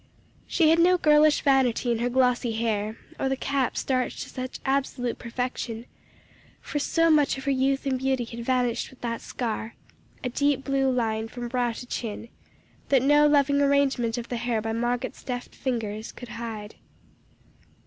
She had no girlish vanity in her glossy hair, or the cap starched to such absolute perfection, for so much of her youth and beauty had vanished with that scar a deep blue line from brow to chin that no loving arrangement of the hair by Margotte's deft fingers could hide.